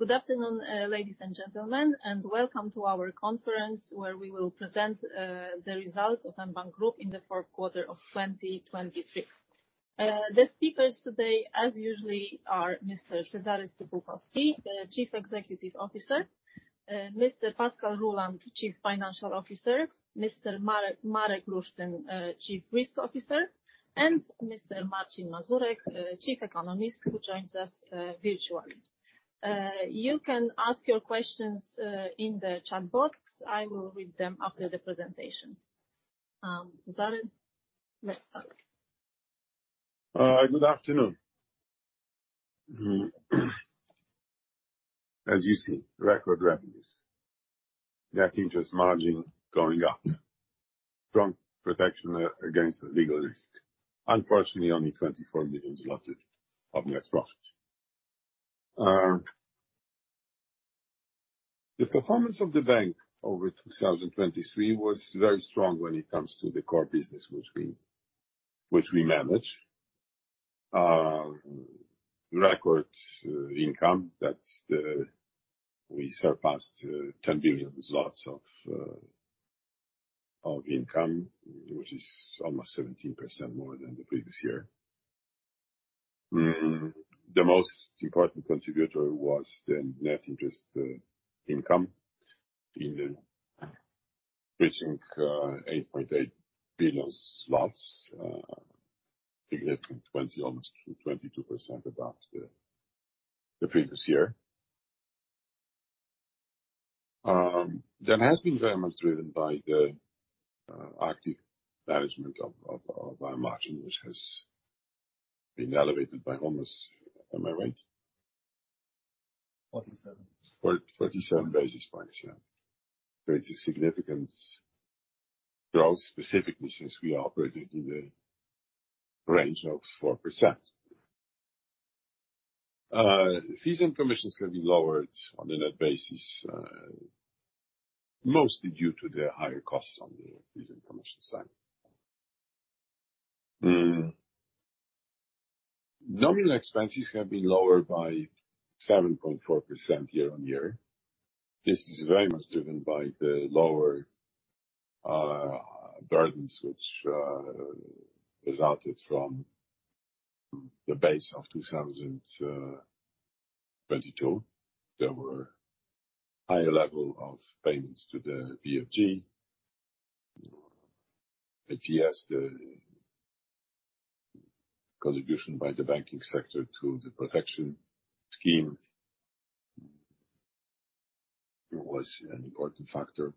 Good afternoon, ladies and gentlemen, and welcome to our conference, where we will present the results of mBank Group in the fourth quarter of 2023. The speakers today, as usually, are Mr. Cezary Stypułkowski, the Chief Executive Officer, Mr. Pascal Ruhland, Chief Financial Officer, Mr. Marek Lusztyn, Chief Risk Officer, and Mr. Marcin Mazurek, Chief Economist, who joins us virtually. You can ask your questions in the chat box. I will read them after the presentation. Cezary, let's start. Good afternoon. As you see, record revenues, net interest margin going up, strong protection against legal risk. Unfortunately, only 24 million of net profit. The performance of the bank over 2023 was very strong when it comes to the core business, which we manage. Record income, that's the... We surpassed 10 billion zlotys of income, which is almost 17% more than the previous year. The most important contributor was the net interest income reaching 8.8 billion zlotys, significant 20, almost 22% above the previous year. That has been very much driven by the active management by Marcin, which has been elevated by almost... Am I right? 47. 47 basis points, yeah. Which is significant growth, specifically since we are operating in the range of 4%. Fees and commissions have been lowered on a net basis, mostly due to the higher costs on the fees and commission side. Nominal expenses have been lowered by 7.4% YoY. This is very much driven by the lower burdens which resulted from the base of 2022. There were higher level of payments to the BFG. Yes, the contribution by the banking sector to the protection scheme was an important factor.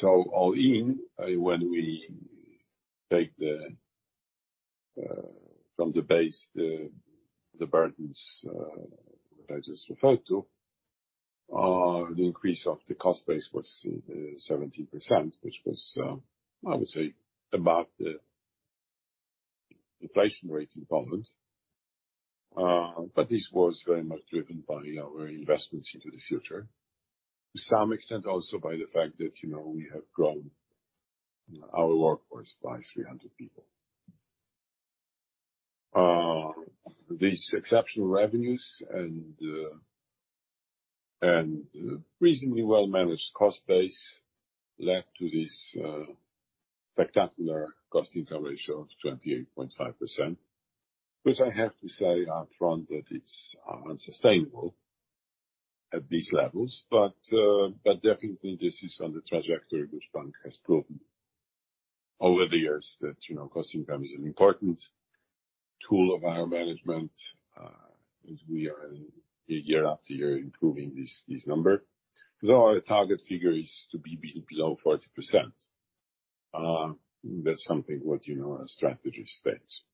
So all in, when we take the from the base, the the burdens that I just referred to, the increase of the cost base was 17%, which was, I would say, about the inflation rate in Poland. But this was very much driven by our investments into the future. To some extent, also by the fact that, you know, we have grown our workforce by 300 people. These exceptional revenues and reasonably well-managed cost base led to this spectacular cost-income ratio of 28.5%, which I have to say up front, that it's unsustainable at these levels. But definitely this is on the trajectory which bank has proven over the years, that, you know, cost income is an important tool of our management. And we are year after year improving this number. Though our target figure is to be below 40%, that's something what, you know, our strategy states.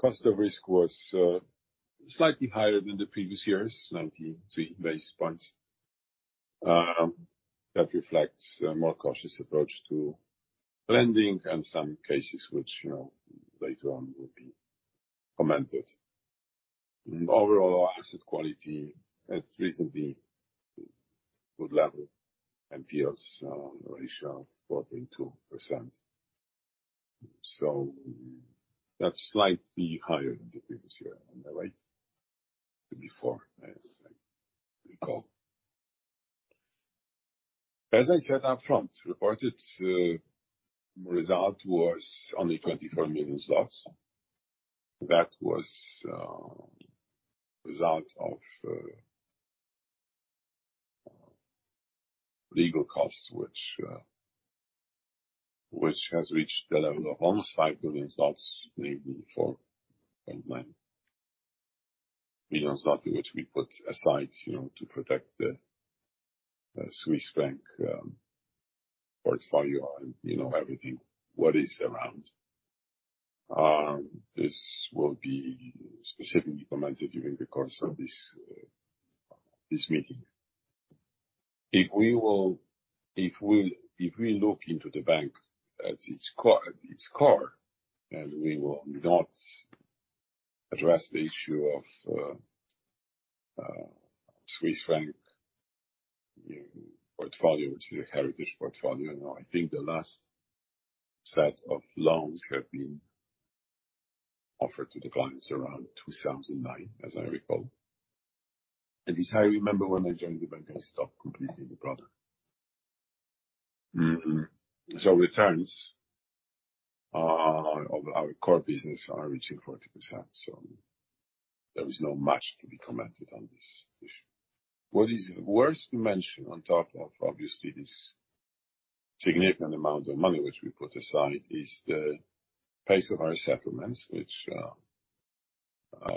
Cost of risk was slightly higher than the previous years, 93 basis points. That reflects a more cautious approach to lending and some cases which, you know, later on will be commented. Overall, asset quality at reasonably good level, NPLs ratio 14.2%. So that's slightly higher than the previous year. Am I right? 2.4%, as I recall. As I said up front, reported result was only 24 million zlotys. That was result of legal costs, which has reached the level of almost 5 billion zlotys, namely 4.9 billion, which we put aside, you know, to protect the Swiss franc portfolio and, you know, everything what is around. This will be specifically commented during the course of this meeting. If we look into the bank at its core, its core, and we will not address the issue of... Swiss franc portfolio, which is a heritage portfolio. Now, I think the last set of loans have been offered to the clients around 2009, as I recall. And as I remember, when I joined the bank, I stopped completing the product. So returns on our core business are reaching 40%, so there is not much to be commented on this issue. What is worth to mention on top of, obviously, this significant amount of money which we put aside, is the pace of our settlements, which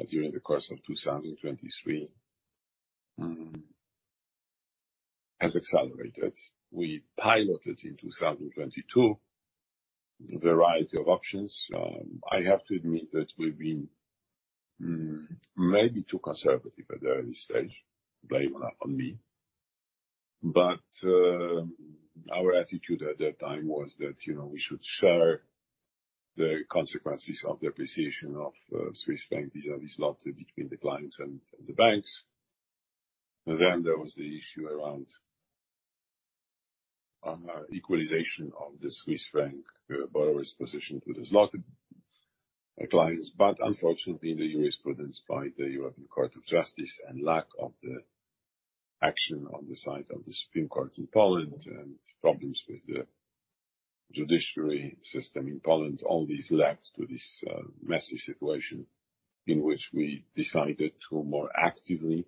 during the course of 2023 has accelerated. We piloted in 2022 the variety of options. I have to admit that we've been maybe too conservative at the early stage, blame on me. But, our attitude at that time was that, you know, we should share the consequences of the appreciation of the Swiss franc vis-à-vis the zloty between the clients and the banks. And then there was the issue around equalization of the Swiss franc borrowers' position to the zloty clients. But unfortunately, the jurisprudence by the European Court of Justice and lack of the action on the side of the Supreme Court in Poland, and problems with the judiciary system in Poland, all these led to this messy situation in which we decided to more actively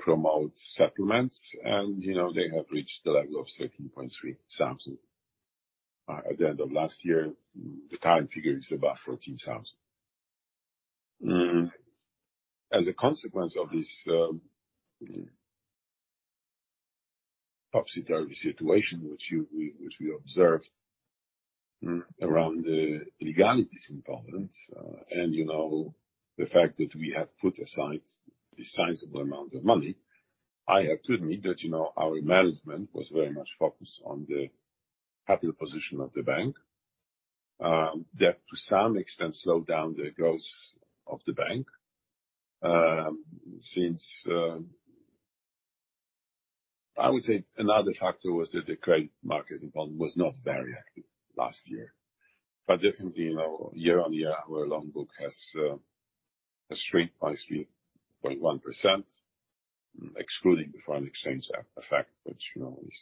promote settlements. And, you know, they have reached the level of 13,300 at the end of last year. The current figure is about 14,000. As a consequence of this, topsyturvy situation, which we observed around the legalities in Poland, and you know, the fact that we have put aside a sizable amount of money, I have to admit that, you know, our management was very much focused on the capital position of the bank. That to some extent slowed down the growth of the bank. Since I would say another factor was that the credit market in Poland was not very active last year, but definitely, you know, year-on-year, our loan book has shrunk by 3.1%, excluding the foreign exchange effect, which, you know, is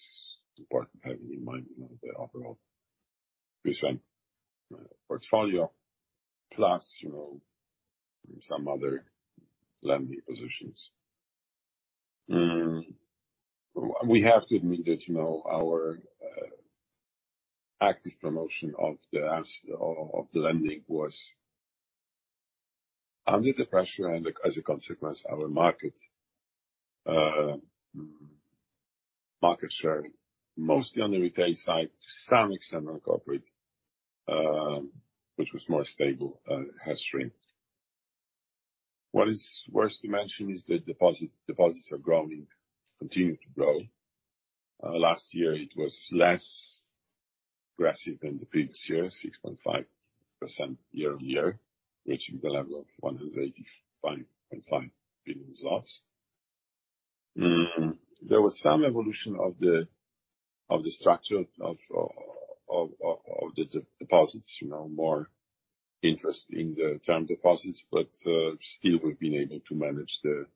important having in mind, you know, the overall Swiss franc portfolio, plus, you know, some other lending positions. We have to admit that, you know, our active promotion of the lending was under the pressure, and as a consequence, our market share, mostly on the retail side, some external corporate, which was more stable, has shrinked. What is worth to mention is that deposits are growing, continue to grow. Last year it was less aggressive than the previous year, 6.5% YoY, reaching the level of 185.5 billion zlotys. There was some evolution of the structure of the deposits, you know, more interest in the term deposits, but still, we've been able to manage the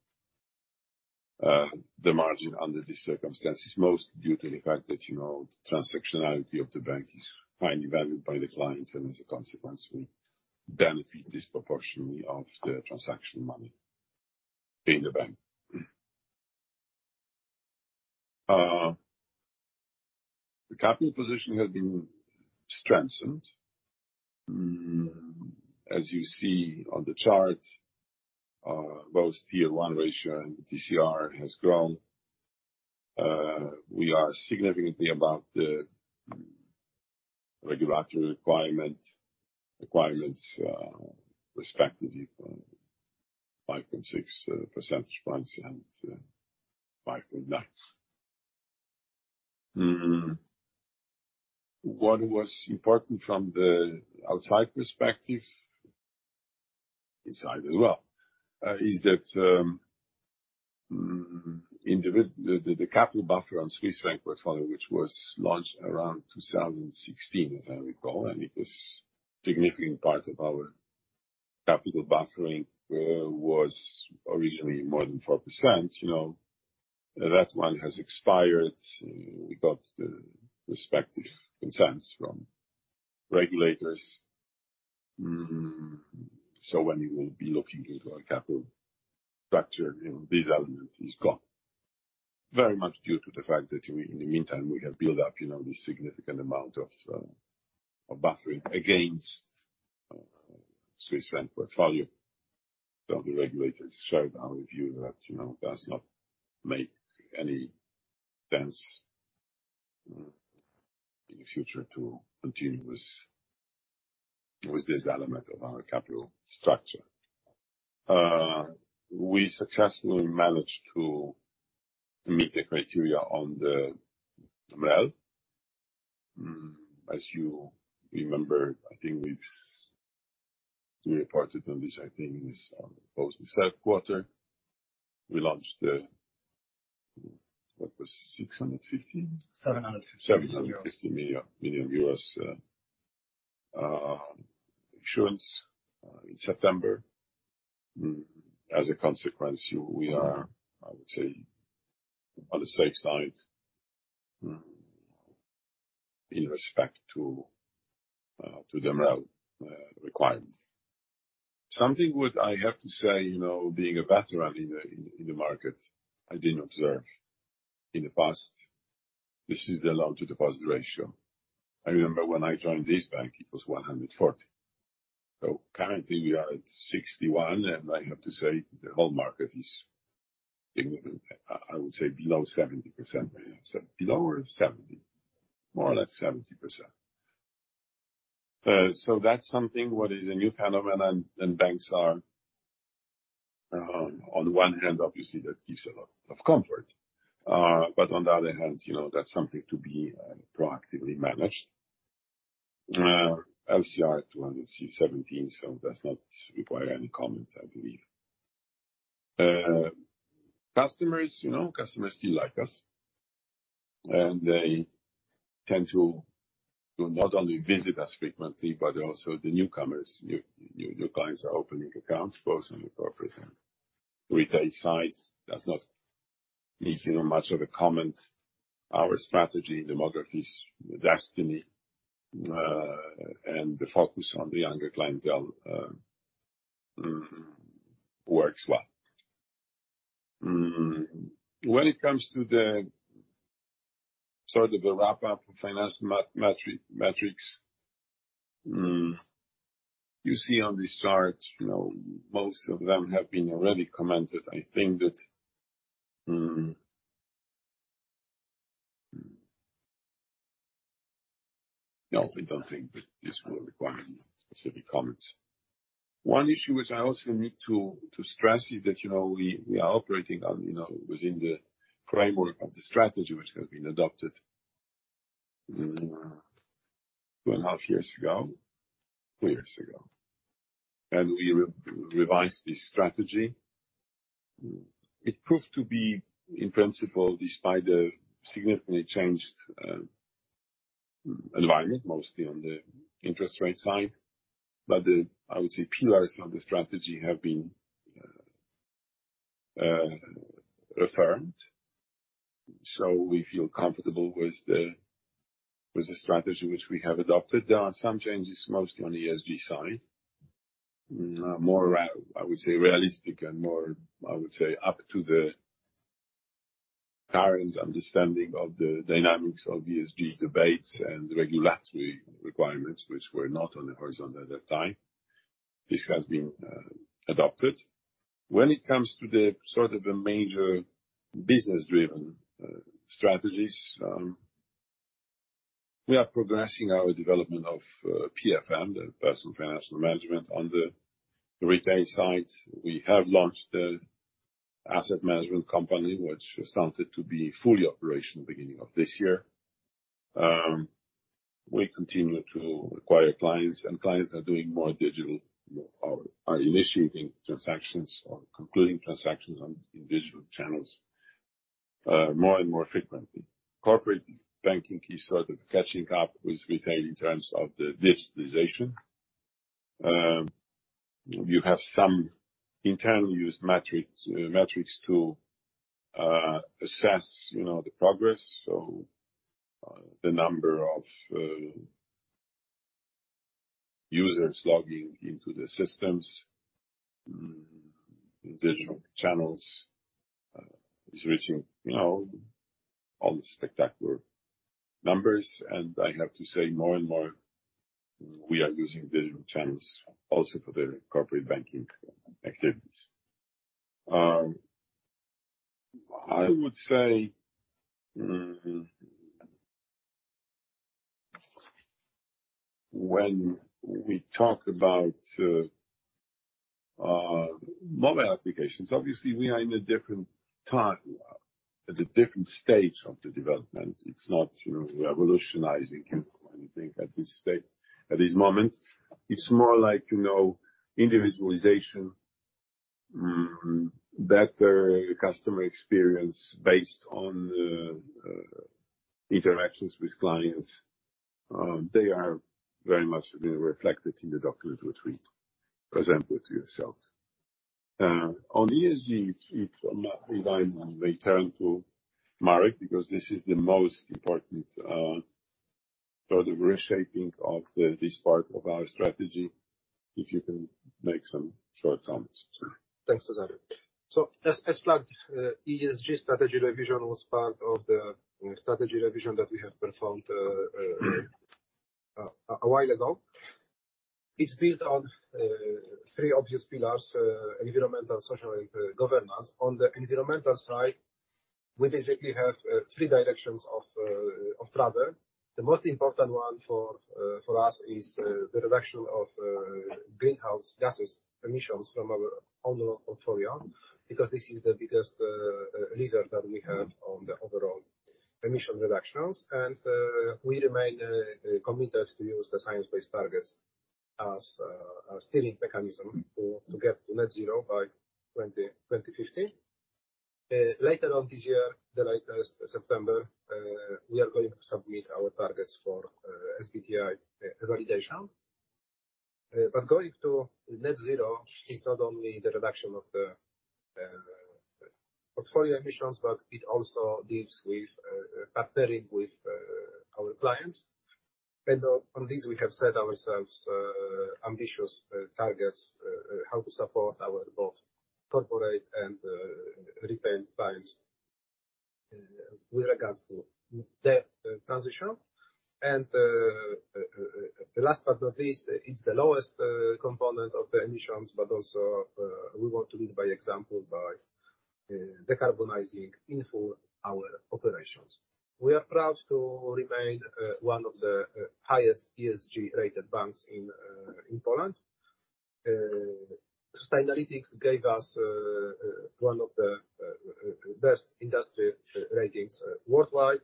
margin under these circumstances, most due to the fact that, you know, the transactionality of the bank is highly valued by the clients, and as a consequence, we benefit disproportionately of the transaction money in the bank. The capital position has been strengthened. As you see on the chart, both Tier 1 ratio and the TCR has grown. We are significantly above the regulatory requirements, respectively, from 5.6 percentage points and 5.9. What was important from the outside perspective, inside as well, is that the capital buffer on Swiss franc portfolio, which was launched around 2016, as I recall, and it was significant part of our capital buffering, was originally more than 4%, you know. That one has expired. We got the respective consents from regulators. So when you will be looking into our capital structure, you know, this element is gone. Very much due to the fact that in the meantime, we have built up, you know, this significant amount of buffering against Swiss franc portfolio. So the regulators shared our view that, you know, does not make any sense in the future to continue with this element of our capital structure. We successfully managed to meet the criteria on the MREL. As you remember, I think we've reported on this, I think, mostly third quarter. We launched the, what was it? $615. $750. $750 million in US issuance in September. As a consequence, we are, I would say, on the safe side, in respect to the MREL requirement. Something which I have to say, you know, being a veteran in the market, I didn't observe in the past, this is the loan-to-deposit ratio. I remember when I joined this bank, it was 140. So currently, we are at 61, and I have to say, the whole market is significantly, I would say below 70%. So below 70, more or less 70%. So that's something what is a new phenomenon, and banks are, on one hand, obviously, that gives a lot of comfort. But on the other hand, you know, that's something to be proactively managed. LCR 217, so does not require any comment, I believe. Customers, you know, customers still like us, and they tend to not only visit us frequently, but also the newcomers. New clients are opening accounts, both on the corporate and retail sides. That's not needing much of a comment. Our strategy, demography is destiny, and the focus on the younger clientele works well. When it comes to the sort of the wrap-up of financial metrics, you see on this chart, you know, most of them have been already commented. I think that. No, I don't think that this will require any specific comments. One issue which I also need to stress is that, you know, we are operating, you know, within the framework of the strategy which has been adopted, two and a half years ago, three years ago, and we revised this strategy. It proved to be, in principle, despite the significantly changed environment, mostly on the interest rate side, but I would say, pillars of the strategy have been reaffirmed. So we feel comfortable with the strategy which we have adopted. There are some changes, mostly on the ESG side. More realistic, and more, I would say, up to the current understanding of the dynamics of ESG debates and regulatory requirements, which were not on the horizon at that time. This has been adopted. When it comes to the sort of the major business-driven strategies, we are progressing our development of PFM, the Personal Financial Management, on the retail side. We have launched the asset management company, which started to be fully operational beginning of this year. We continue to acquire clients, and clients are doing more digital or are initiating transactions or concluding transactions on, in digital channels more and more frequently. Corporate banking is sort of catching up with retail in terms of the digitalization. You have some internal use metrics, metrics to assess, you know, the progress. So, the number of users logging into the systems, digital channels, is reaching, you know, all the spectacular numbers. And I have to say, more and more, we are using digital channels also for the corporate banking activities. I would say, when we talk about mobile applications, obviously, we are in a different time, at a different stage of the development. It's not, you know, revolutionizing anything at this stage, at this moment. It's more like, you know, individualization, better customer experience based on the interactions with clients. They are very much being reflected in the document which we presented to yourselves. On ESG, it's a matter of time, and I may turn to Marek, because this is the most important sort of reshaping of this part of our strategy, if you can make some short comments. Thanks, Cezary. So as flagged, ESG strategy revision was part of the strategy revision that we have performed a while ago. It's built on three obvious pillars, environmental, social, and governance. On the environmental side, we basically have three directions of travel. The most important one for us is the reduction of greenhouse gases emissions from our overall portfolio, because this is the biggest leader that we have on the overall emission reductions. And we remain committed to use the science-based targets as a steering mechanism to get to net zero by 2050. Later on this year, the latest September, we are going to submit our targets for SBTi validation. But going to net zero is not only the reduction of the portfolio emissions, but it also deals with partnering with our clients. And on this, we have set ourselves ambitious targets how to support our both corporate and retail clients with regards to the transition. And last but not least, it's the lowest component of the emissions, but also we want to lead by example by decarbonizing in full our operations. We are proud to remain one of the highest ESG-rated banks in Poland. Sustainalytics gave us one of the best industry ratings worldwide,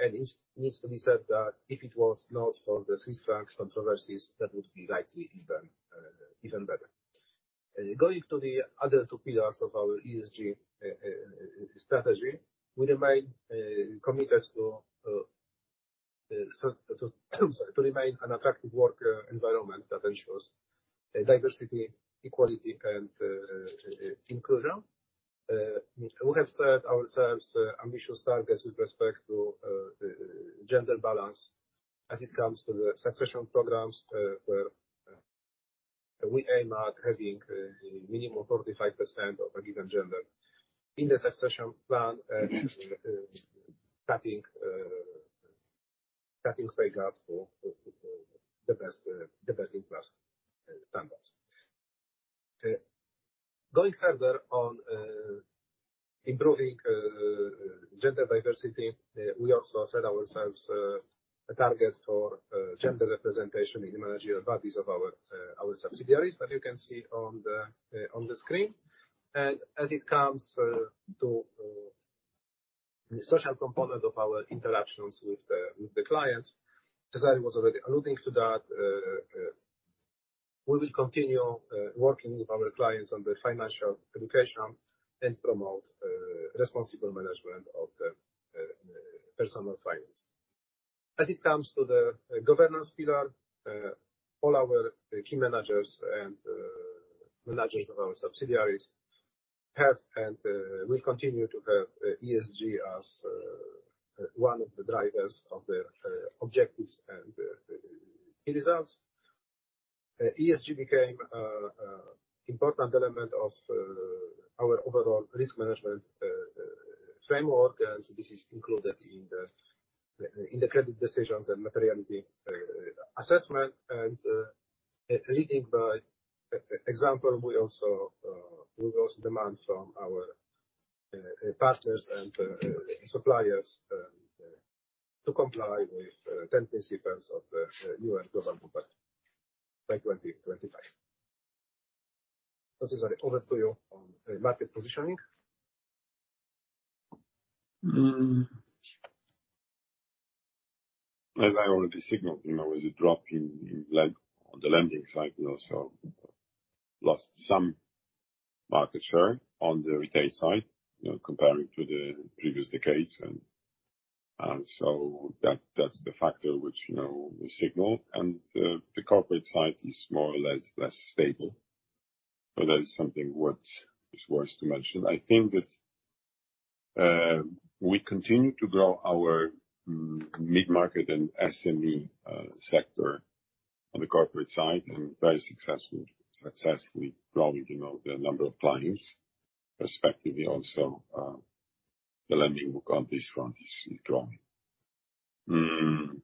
and it needs to be said that if it was not for the Swiss franc controversies, that would be likely even better. Going to the other two pillars of our ESG strategy, we remain committed to, sorry, to remain an attractive work environment that ensures diversity, equality, and inclusion. We have set ourselves ambitious targets with respect to gender balance as it comes to the succession programs, where we aim at having minimum 45% of a given gender in the succession plan, cutting pay gap for the best in class standards. Going further on improving gender diversity, we also set ourselves a target for gender representation in managerial bodies of our subsidiaries, that you can see on the screen. As it comes to social component of our interactions with the clients, Cezary was already alluding to that. We will continue working with our clients on their financial education and promote responsible management of the personal finance. As it comes to the governance pillar, all our key managers and managers of our subsidiaries have and will continue to have ESG as one of the drivers of their objectives and key results. ESG became a important element of our overall risk management framework, and this is included in the credit decisions and materiality assessment. Leading by example, we also demand from our partners and suppliers to comply with the 10 principles of the UN Global Compact by 2025. Cezary, over to you on market positioning. Mm. As I already signaled, you know, with the drop in lending on the lending side, we also lost some market share on the retail side, you know, comparing to the previous decades. And so that, that's the factor which, you know, we signaled, and the corporate side is more or less stable. So that is something what is worth to mention. I think that we continue to grow our mid-market and SME sector on the corporate side, and very successfully growing, you know, the number of clients. Respectively, also, the lending book on this front is growing. Mm.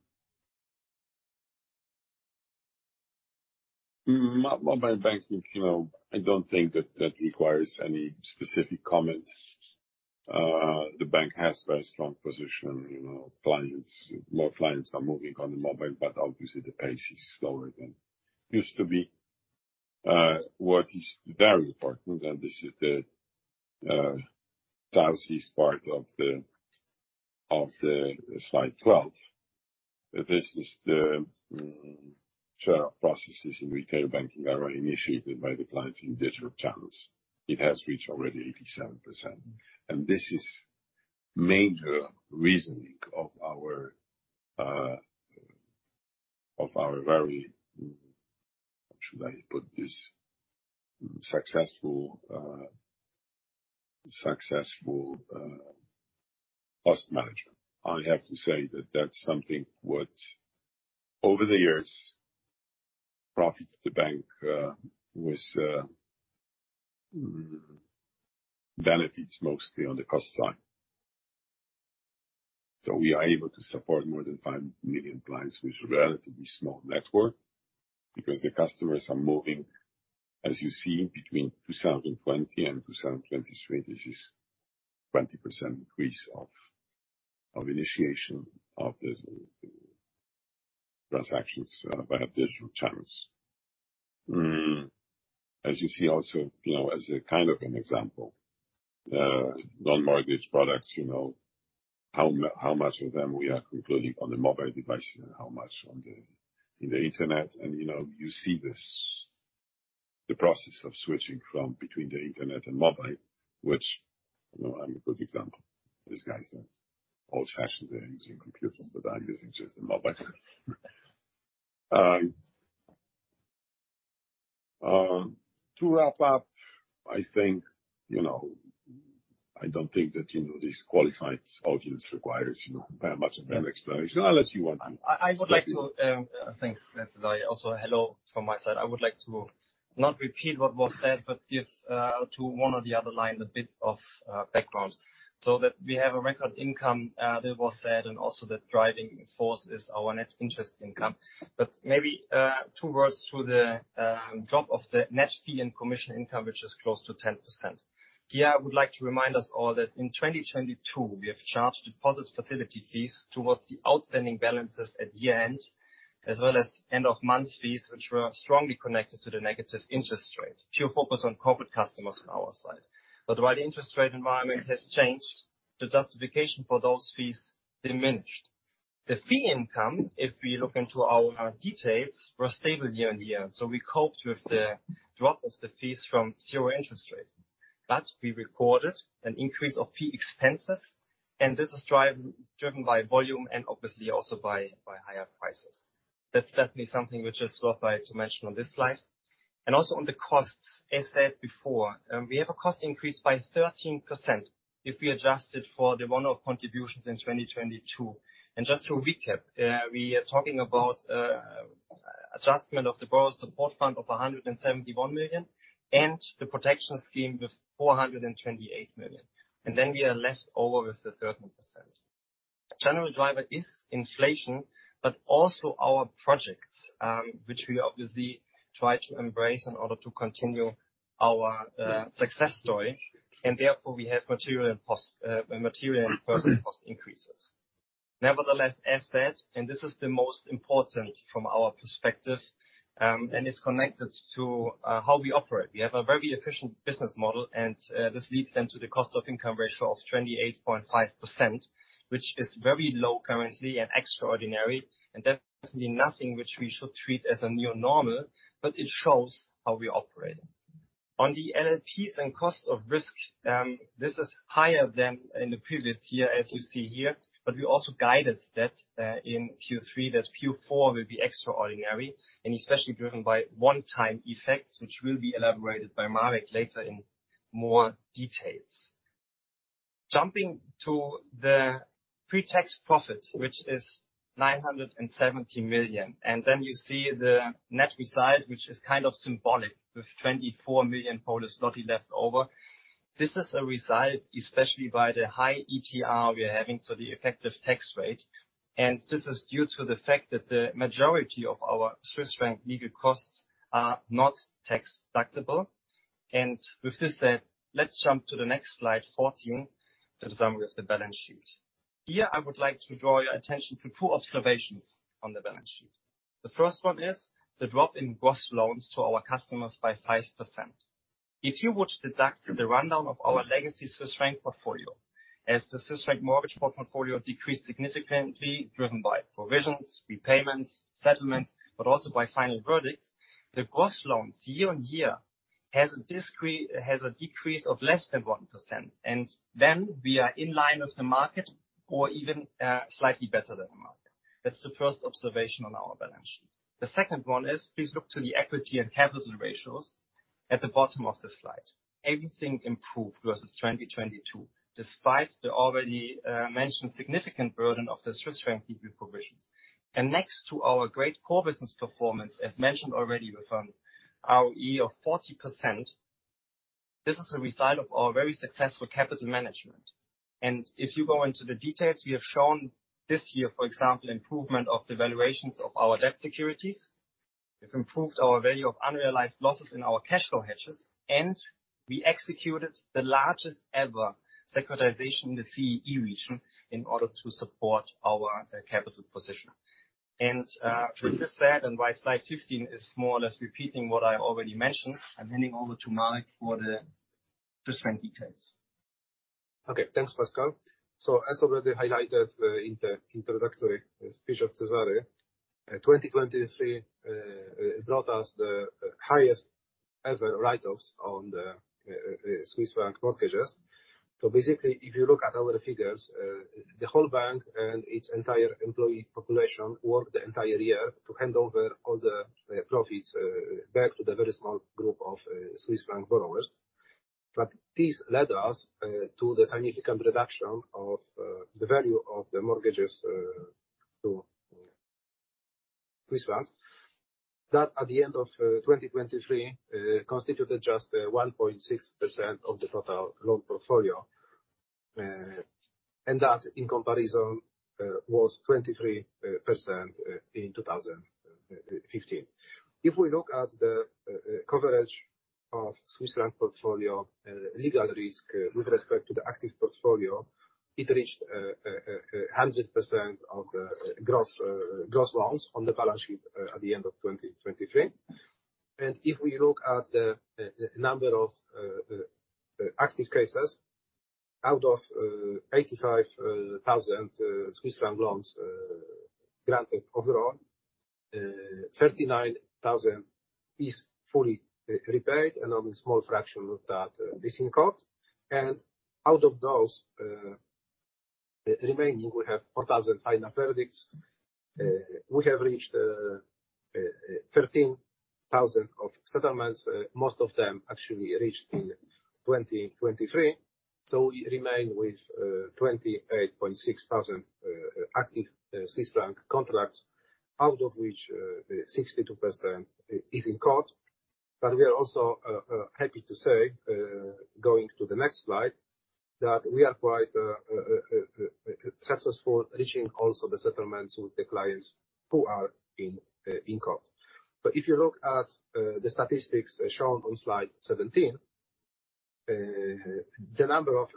Mobile banking, you know, I don't think that that requires any specific comments. The bank has very strong position, you know, more clients are moving on the mobile, but obviously the pace is slower than it used to be. What is very important, and this is the southeast part of the Slide 12, this is the share of processes in retail banking are initiated by the clients in digital channels. It has reached already 87%, and this is major reasoning of our very, how should I put this? Successful cost management. I have to say that that's something what, over the years, profit the bank with benefits mostly on the cost side. So we are able to support more than 5 million clients with relatively small network, because the customers are moving, as you see, between 2020 and 2023, this is 20% increase of initiation of the transactions by digital channels. As you see also, you know, as a kind of an example, non-mortgage products, you know, how much of them we are concluding on the mobile device and how much on the, in the Internet. You know, you see this, the process of switching from between the Internet and mobile, which, you know, I'm a good example. These guys are old-fashioned, they're using computers, but I'm using just a mobile. To wrap up, I think, you know, I don't think that, you know, this qualified audience requires, you know, very much of an explanation, unless you want me- I would like to thank Cezary. Also, hello from my side. I would like to not repeat what was said, but give to one or the other line a bit of background. So that we have a record income that was said, and also the driving force is our net interest income. But maybe two words to the drop of the net fee and commission income, which is close to 10%. Here, I would like to remind us all that in 2022, we have charged deposit facility fees towards the outstanding balances at year-end, as well as end of month fees, which were strongly connected to the negative interest rate. Pure focus on corporate customers on our side. But while the interest rate environment has changed, the justification for those fees diminished. The fee income, if we look into our details, were stable year-on-year, so we coped with the drop of the fees from zero interest rate. We recorded an increase of fee expenses, and this is driven by volume and obviously also by higher prices. That's definitely something which is worth to mention this slide. also on the costs, as said before, we have a cost increase by 13% if we adjust it for the one-off contributions in 2022. Just to recap, we are talking about adjustment of the Borrowers' Support Fund of 171 million and the protection scheme with 428 million. Then we are left over with the 13%. General driver is inflation, but also our projects, which we obviously try to embrace in order to continue our success story, and therefore we have material and cost, material and personal cost increases. Nevertheless, as said, and this is the most important from our perspective, and it's connected to how we operate. We have a very efficient business model, and this leads then to the cost of income ratio of 28.5%, which is very low currently and extraordinary, and definitely nothing which we should treat as a new normal, but it shows how we operate. On the NPLs and costs of risk, this is higher than in the previous year, as you see here, but we also guided that, in Q3, that Q4 will be extraordinary and especially driven by one-time effects, which will be elaborated by Marek later in more details. Jumping to the pre-tax profit, which is 970 million, and then you see the net result, which is kind of symbolic, with 24 million Polish zloty left over. This is a result, especially by the high ETR we are having, so the effective tax rate, and this is due to the fact that the majority of our Swiss franc legal costs are not tax deductible. With this said, let's jump to the next Slide 14, the summary of the balance sheet. Here, I would like to draw your attention to two observations on the balance sheet. The first one is the drop in gross loans to our customers by 5%. If you would deduct the rundown of our legacy Swiss franc portfolio, as the Swiss franc mortgage portfolio decreased significantly, driven by provisions, repayments, settlements, but also by final verdicts, the gross loans year-on-year has a decrease of less than 1%, and then we are in line with the market or even, slightly better than the market. That's the first observation on our balance sheet. The second one is, please look to the equity and capital ratios at the bottom of the slide. Everything improved versus 2022, despite the already, mentioned significant burden of the Swiss franc provisions. And next to our great core business performance, as mentioned already, with, ROE of 40%, this is a result of our very successful capital management. If you go into the details, we have shown this year, for example, improvement of the valuations of our debt securities. We've improved our value of unrealized losses in our cash flow hedges, and we executed the largest ever securitization in the CEE region in order to support our capital position. And, with this said, and while Slide 15 is more or less repeating what I already mentioned, I'm handing over to Marek for the Swiss franc details. Okay. Thanks, Pascal. So as already highlighted in the introductory speech of Cezary, 2023 brought us the highest ever write-offs on the Swiss franc mortgages. So basically, if you look at our figures, the whole bank and its entire employee population worked the entire year to hand over all the profits back to the very small group of Swiss franc borrowers. But this led us to the significant reduction of the value of the mortgages to Swiss francs that at the end of 2023 constituted just 1.6% of the total loan portfolio.... and that in comparison, was 23% in 2015. If we look at the coverage of Swiss franc portfolio, legal risk, with respect to the active portfolio, it reached 100% of the gross loans on the balance sheet, at the end of 2023. And if we look at the number of active cases, out of 85,000 Swiss franc loans, granted overall, 39,000 is fully repaid, and only a small fraction of that is in court. And out of those remaining, we have 4,000 final verdicts. We have reached 13,000 of settlements, most of them actually reached in 2023, so we remain with 28,600 active Swiss franc contracts, out of which 62% is in court. But we are also happy to say, going to the next slide, that we are quite successful reaching also the settlements with the clients who are in court. But if you look at the statistics shown on Slide 17, the number of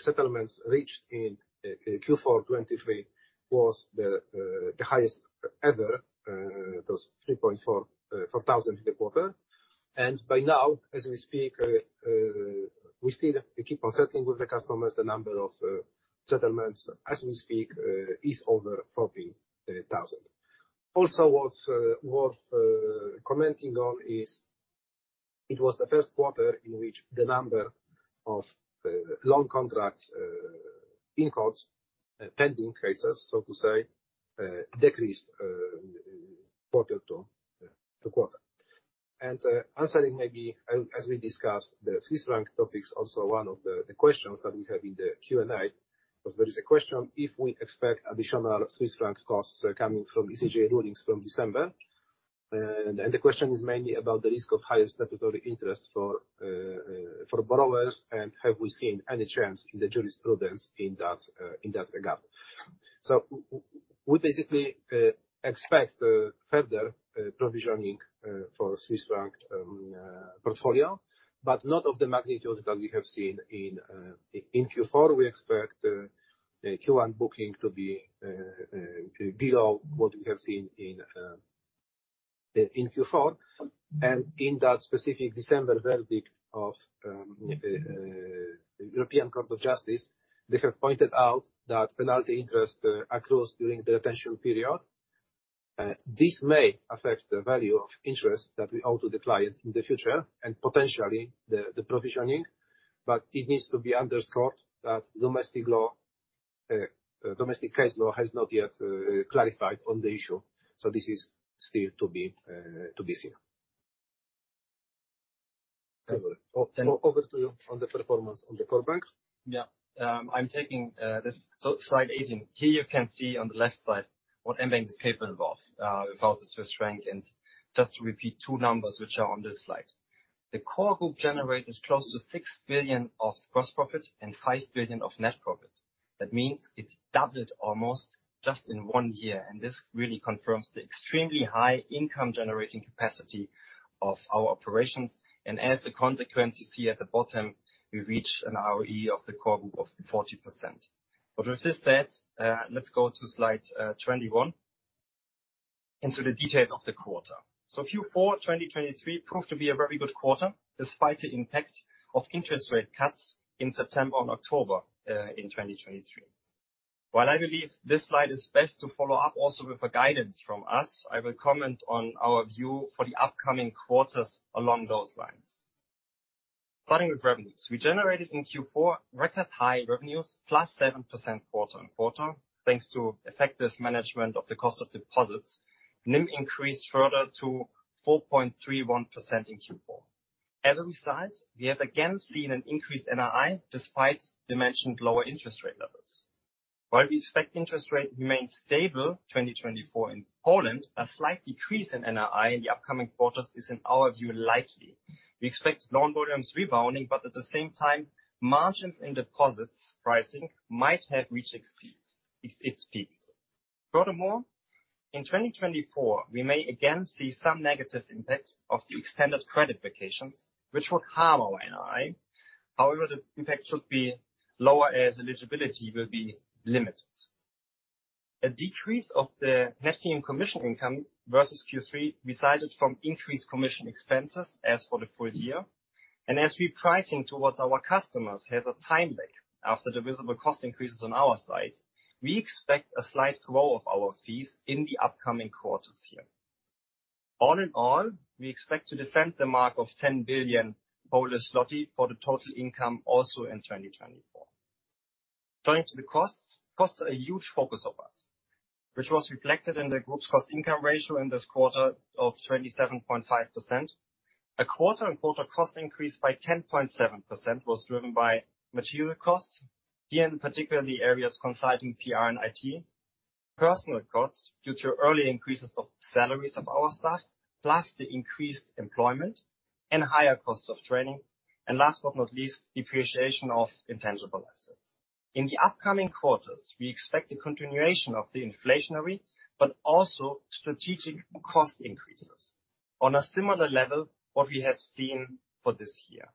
settlements reached in Q4 2023 was the highest ever, it was 3,444 in the quarter. And by now, as we speak, we still keep on settling with the customers. The number of settlements as we speak is over 40,000. Also, what's worth commenting on is, it was the first quarter in which the number of loan contracts in court, pending cases, so to say, decreased quarter to quarter. Answering maybe as we discuss the Swiss franc topics, also one of the questions that we have in the Q&A, because there is a question, if we expect additional Swiss franc costs coming from ECJ rulings from December. And the question is mainly about the risk of higher statutory interest for borrowers, and have we seen any trends in the jurisprudence in that regard? So we basically expect further provisioning for Swiss franc portfolio, but not of the magnitude that we have seen in Q4. We expect Q1 booking to be below what we have seen in Q4. And in that specific December verdict of European Court of Justice, they have pointed out that penalty interests accrues during the retention period. This may affect the value of interest that we owe to the client in the future and potentially the provisioning, but it needs to be underscored that domestic law, domestic case law has not yet clarified on the issue. So this is still to be seen. Over to you on the performance on the core bank. Yeah. I'm taking this. So Slide 18. Here you can see on the left side what mBank is capable of without the Swiss franc. And just to repeat two numbers, which are this slide. the core group generated close to 6 billion of gross profit and 5 billion of net profit. That means it doubled almost just in one year, and this really confirms the extremely high income-generating capacity of our operations. And as a consequence, you see at the bottom, we reach an ROE of the core group of 40%. But with this said, let's go to Slide 21, into the details of the quarter. So Q4 2023 proved to be a very good quarter, despite the impact of interest rate cuts in September and October in 2023. While I this slide is best to follow up also with a guidance from us, I will comment on our view for the upcoming quarters along those lines. Starting with revenues, we generated in Q4 record-high revenues, +7% QoQ, thanks to effective management of the cost of deposits. NIM increased further to 4.31% in Q4. As a result, we have again seen an increased NII despite the mentioned lower interest rate levels. While we expect interest rate to remain stable 2024 in Poland, a slight decrease in NII in the upcoming quarters is, in our view, likely. We expect loan volumes rebounding, but at the same time, margins and deposits pricing might have reached its peaks. Furthermore, in 2024, we may again see some negative impact of the extended credit vacations, which would harm our NII. However, the impact should be lower as eligibility will be limited. A decrease of the net fee and commission income versus Q3 resulted from increased commission expenses as for the full year. And as our pricing towards our customers has a time lag after the visible cost increases on our side, we expect a slight growth of our fees in the upcoming quarters here. All in all, we expect to defend the mark of 10 billion for the total income also in 2024. Turning to the costs, costs are a huge focus of us, which was reflected in the group's cost income ratio in this quarter of 27.5%. A quarter-on-quarter cost increase by 10.7% was driven by material costs, here in particularly areas concerning PR and IT. Personal costs due to early increases of salaries of our staff, plus the increased employment and higher costs of training, and last but not least, depreciation of intangible assets. In the upcoming quarters, we expect a continuation of the inflationary, but also strategic cost increases on a similar level, what we have seen for this year.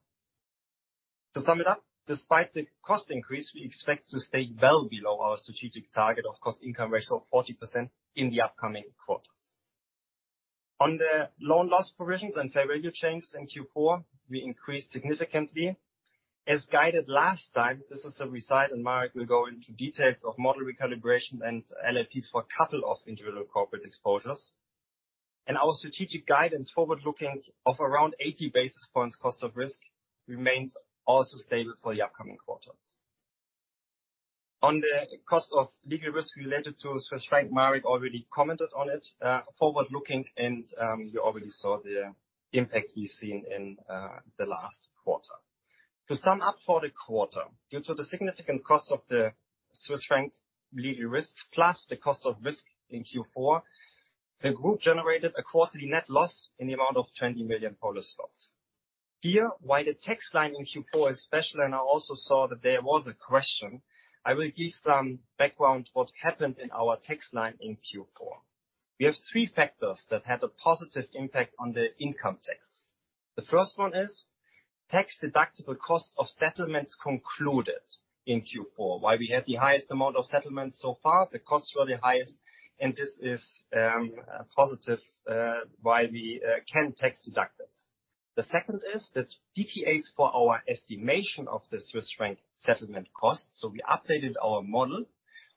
To sum it up, despite the cost increase, we expect to stay well below our strategic target of cost-income ratio of 40% in the upcoming quarters. On the loan loss provisions and fair value changes in Q4, we increased significantly. As guided last time, this is a result, and Marek will go into details of model recalibration and LLPs for a couple of individual corporate exposures. Our strategic guidance forward-looking of around 80 basis points cost of risk remains also stable for the upcoming quarters. On the cost of legal risk related to Swiss franc, Marek already commented on it, forward-looking, and, we already saw the impact we've seen in, the last quarter. To sum up for the quarter, due to the significant cost of the Swiss franc legal risks, plus the cost of risk in Q4, the group generated a quarterly net loss in the amount of 20 million Polish zlotys. Here, while the tax line in Q4 is special, and I also saw that there was a question, I will give some background what happened in our tax line in Q4. We have three factors that had a positive impact on the income tax. The first one is, tax-deductible cost of settlements concluded in Q4. While we had the highest amount of settlements so far, the costs were the highest, and this is positive why we can tax deduct it. The second is that DTAs for our estimation of the Swiss franc settlement costs, so we updated our model,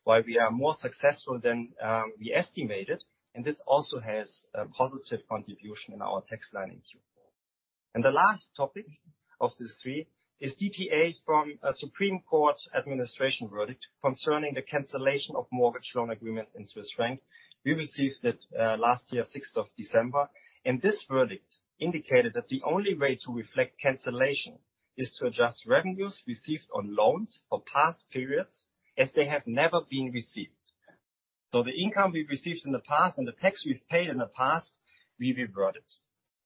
while we are more successful than we estimated, and this also has a positive contribution in our tax line in Q4. The last topic of these three is DTA from a Supreme Court administration verdict concerning the cancellation of mortgage loan agreement in Swiss franc. We received it last year, sixth of December, and this verdict indicated that the only way to reflect cancellation is to adjust revenues received on loans for past periods, as they have never been received. So the income we've received in the past and the tax we've paid in the past, we reverted.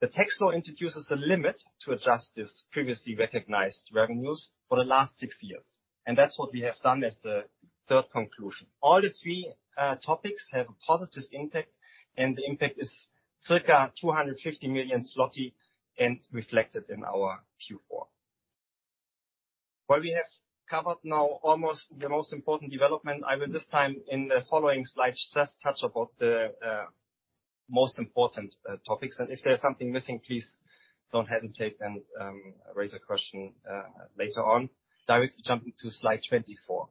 The tax law introduces a limit to adjust this previously recognized revenues for the last six years, and that's what we have done as the third conclusion. All the three topics have a positive impact, and the impact is circa 250 million zloty and reflected in our Q4. While we have covered now almost the most important development, I will this time in the following slides, just touch about the most important topics. And if there's something missing, please don't hesitate, and raise a question later on. Directly jumping to Slide 24.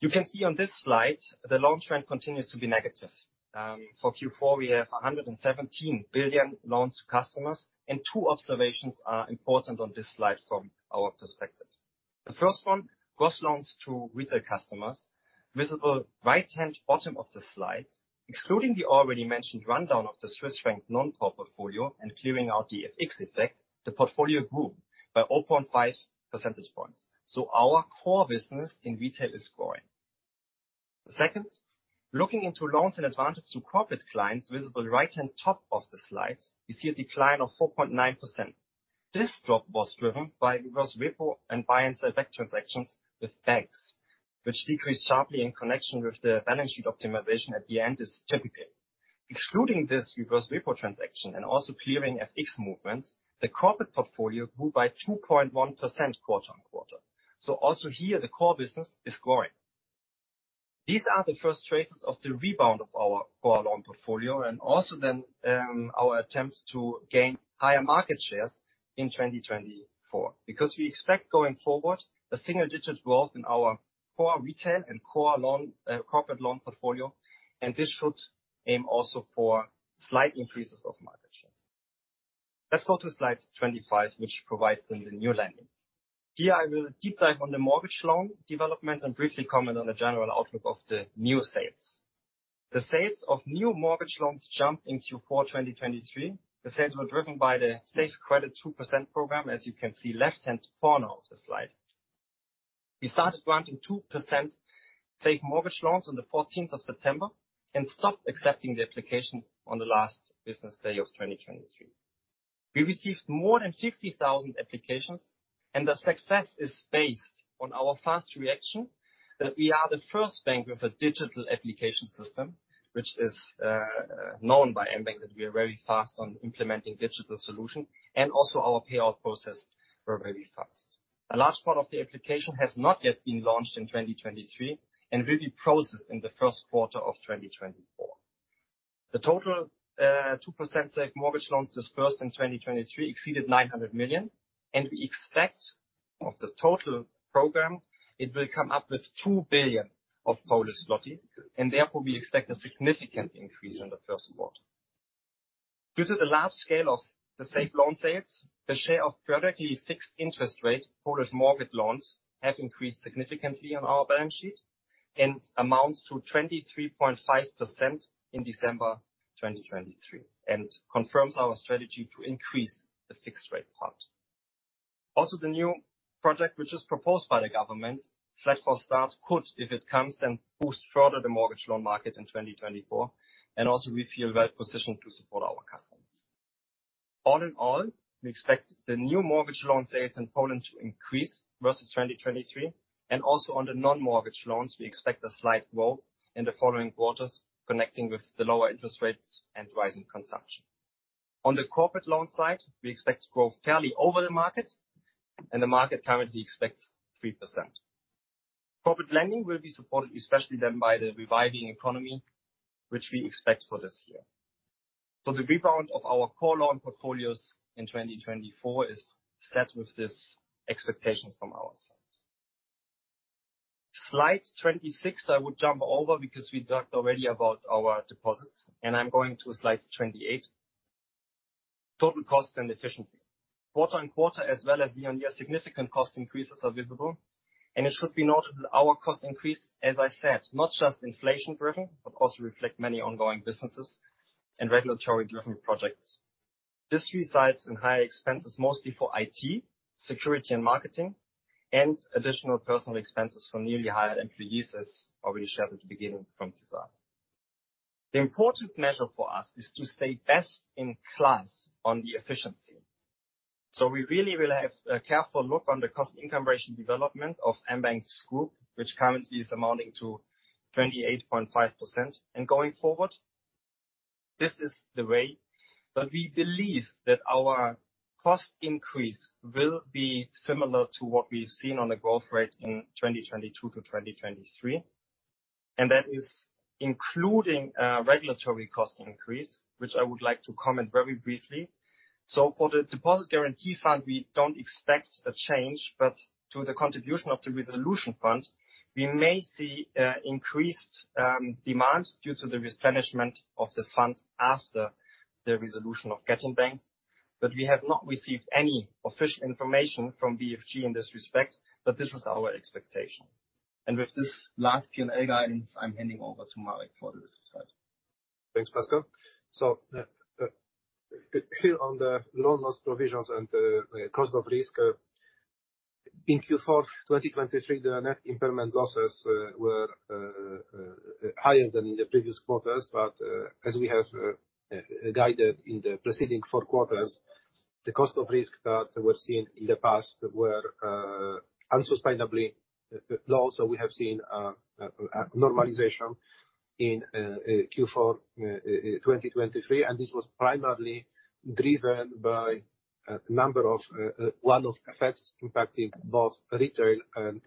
You can see this slide, the loan trend continues to be negative. For Q4, we have 117 billion loans to customers, and two observations are important this slide from our perspective. The first one, gross loans to retail customers, visible right-hand bottom of the slide. Excluding the already mentioned rundown of the Swiss franc non-core portfolio and clearing out the FX effect, the portfolio grew by 0.5 percentage points. So our core business in retail is growing. Second, looking into loans and advances to corporate clients, visible right-hand top of the slide, we see a decline of 4.9%. This drop was driven by reverse repo and buy and sellback transactions with banks, which decreased sharply in connection with the balance sheet optimization at the end is typically. Excluding this reverse repo transaction and also clearing FX movements, the corporate portfolio grew by 2.1% QoQ. So also here, the core business is growing. These are the first traces of the rebound of our core loan portfolio, and also then, our attempts to gain higher market shares in 2024. Because we expect, going forward, a single-digit growth in our core retail and core loan, corporate loan portfolio, and this should aim also for slight increases of market share. Let's go to Slide 25, which provides them the new lending. Here, I will deep dive on the mortgage loan development and briefly comment on the general outlook of the new sales. The sales of new mortgage loans jumped in Q4 2023. The sales were driven by the Safe Credit 2% program, as you can see left-hand corner of the slide. We started granting 2% safe mortgage loans on the fourteenth of September and stopped accepting the application on the last business day of 2023. We received more than 60,000 applications, and the success is based on our fast reaction, that we are the first bank with a digital application system, which is, known by mBank, that we are very fast on implementing digital solution, and also our payout process were very fast. A large part of the application has not yet been launched in 2023 and will be processed in the first quarter of 2024. The total, 2% safe mortgage loans dispersed in 2023 exceeded 900 million, and we expect of the total program, it will come up with 2 billion, and therefore, we expect a significant increase in the first quarter. Due to the large scale of the safe loan sales, the share of directly fixed interest rate Polish mortgage loans have increased significantly on our balance sheet.... It amounts to 23.5% in December 2023, and confirms our strategy to increase the fixed rate part. Also, the new project, which is proposed by the government, Flat for Start, could, if it comes, then boost further the mortgage loan market in 2024, and also we feel well positioned to support our customers. All in all, we expect the new mortgage loan sales in Poland to increase versus 2023, and also on the non-mortgage loans, we expect a slight growth in the following quarters, connecting with the lower interest rates and rising consumption. On the corporate loan side, we expect to grow fairly over the market, and the market currently expects 3%. Corporate lending will be supported, especially then by the reviving economy, which we expect for this year. So the rebound of our core loan portfolios in 2024 is set with this expectation from our side. Slide 26, I would jump over, because we talked already about our deposits, and I'm going to Slide 28. Total cost and efficiency. Quarter-on-quarter, as well as year-on-year, significant cost increases are visible, and it should be noted that our cost increase, as I said, not just inflation-driven, but also reflect many ongoing businesses and regulatory-driven projects. This results in higher expenses, mostly for IT, security and marketing, and additional personal expenses for newly hired employees, as already shared at the beginning from Cezary. The important measure for us is to stay best in class on the efficiency. So we really will have a careful look on the cost-income ratio development of mBank's group, which currently is amounting to 28.5%. Going forward, this is the way, but we believe that our cost increase will be similar to what we've seen on the growth rate in 2022 to 2023, and that is including regulatory cost increase, which I would like to comment very briefly. So for the Deposit Guarantee Fund, we don't expect a change, but to the contribution of the Resolution Fund, we may see increased demand due to the replenishment of the fund after the resolution of Getin Bank, but we have not received any official information from BFG in this respect, but this was our expectation. And with this last P&L guidance, I'm handing over to Marek for the rest of slide. Thanks, Pascal. So, here on the loan loss provisions and the cost of risk, in Q4 2023, the net impairment losses were higher than in the previous quarters, but as we have guided in the preceding four quarters, the cost of risk that we've seen in the past were unsustainably low. So we have seen a normalization in Q4 2023, and this was primarily driven by a number of one-off effects impacting both retail and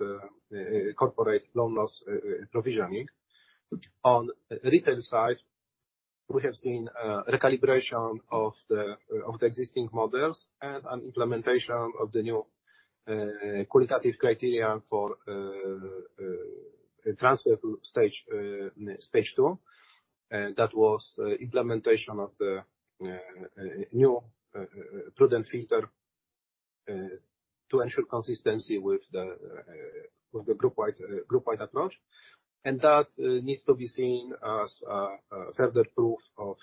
corporate loan loss provisioning. On retail side, we have seen recalibration of the existing models and an implementation of the new qualitative criteria for transfer to stage two. That was implementation of the new prudent filter to ensure consistency with the groupwide approach. And that needs to be seen as further proof of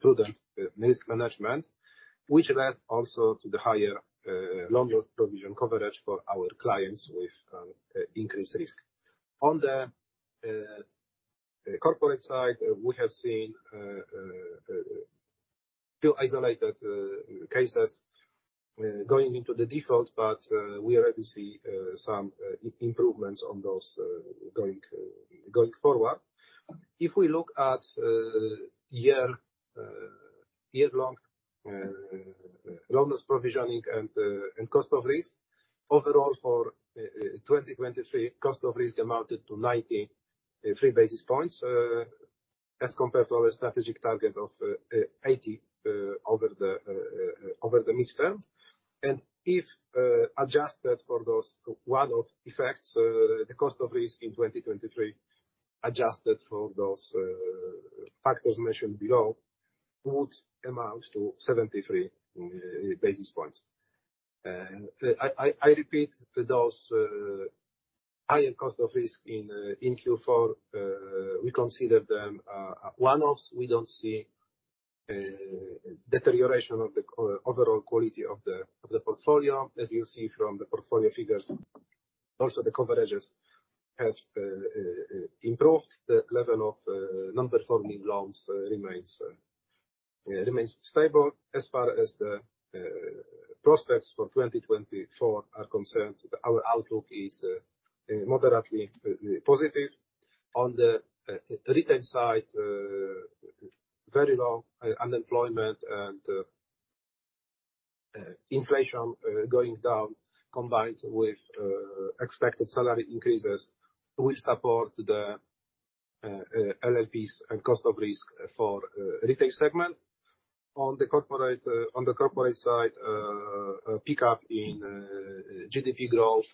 prudent risk management, which led also to the higher loan loss provision coverage for our clients with increased risk. On the corporate side, we have seen two isolated cases going into the default, but we already see some improvements on those going forward. If we look at year-long loan loss provisioning and cost of risk, overall for 2023, cost of risk amounted to 93 basis points as compared to our strategic target of 80 over the midterm. If adjusted for those one-off effects, the cost of risk in 2023, adjusted for those factors mentioned below, would amount to 73 basis points. I repeat, those higher cost of risk in Q4, we consider them one-offs. We don't see deterioration of the overall quality of the portfolio. As you see from the portfolio figures, also the coverages have improved. The level of non-performing loans remains stable. As far as the prospects for 2024 are concerned, our outlook is moderately positive. On the retail side, very low unemployment and inflation going down, combined with expected salary increases, will support the LLPs and cost of risk for retail segment. On the corporate side, a pickup in GDP growth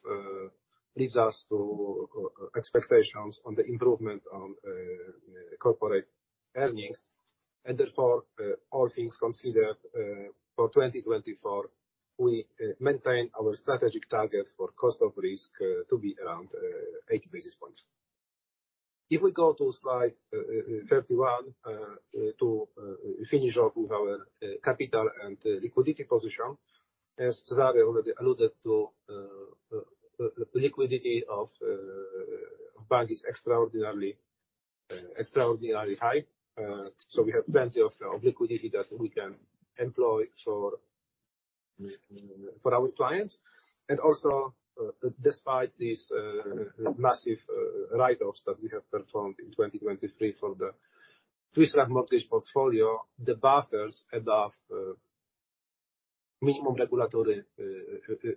leads us to expectations on the improvement on corporate earnings... and therefore, all things considered, for 2024, we maintain our strategic target for cost of risk to be around 80 basis points. If we go to Slide 31, to finish off with our capital and liquidity position, as Cezary already alluded to, the liquidity of the bank is extraordinarily high. So we have plenty of liquidity that we can employ for our clients. And also, despite these massive write-offs that we have performed in 2023 for the Swiss franc mortgage portfolio, the buffers above minimum regulatory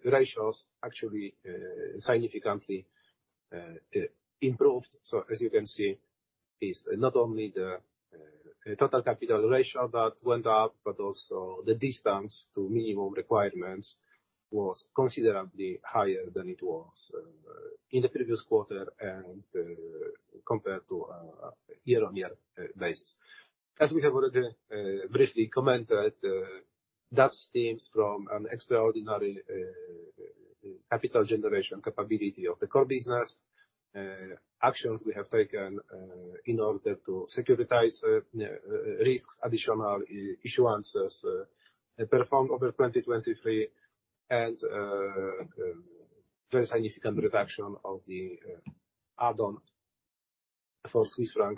ratios actually significantly improved. So as you can see, it's not only the total capital ratio that went up, but also the distance to minimum requirements was considerably higher than it was in the previous quarter and compared to a year-on-year basis. As we have already briefly commented, that stems from an extraordinary capital generation capability of the core business. Actions we have taken in order to securitize risks, additional issuances performed over 2023, and very significant reduction of the add-on for Swiss franc